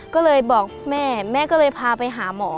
ก็เลยบอกแม่แม่ก็เลยพาไปหาหมอ